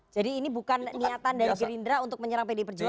jadi ini bukan niatan dari gerindra untuk menyerang pdi perjuangan